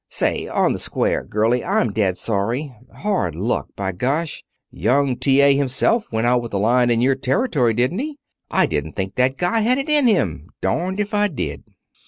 Say, on the square, girlie, I'm dead sorry. Hard luck, by gosh! Young T. A. himself went out with a line in your territory, didn't he? I didn't think that guy had it in him, darned if I did."